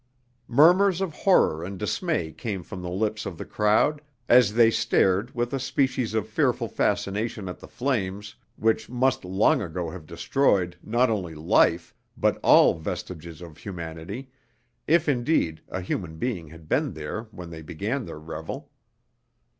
Murmurs of horror and dismay came from the lips of the crowd as they stared with a species of fearful fascination at the flames, which must long ago have destroyed, not only life, but all vestiges of humanity, if indeed a human being had been there when they began their revel.